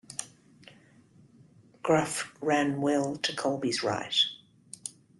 Graf ran well to Kolbe's right.